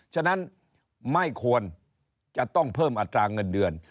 ฉะนั้นไม่ควรจะต้องเพิ่มอัตราเงินเดือน